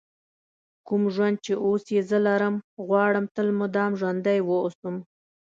کوم ژوند چې اوس یې زه لرم غواړم تل مدام ژوندی ووسم.